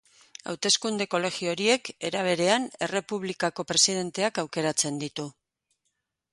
Hauteskunde-kolegio horiek, era berean, Errepublikako presidenteak aukeratzen ditu.